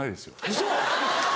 ウソ！